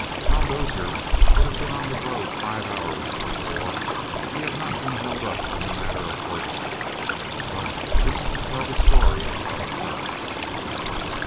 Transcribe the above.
Hal Dozier would have been on the road five hours before if he had not been held up in the matter of horses, but this is to tell the story out of turn.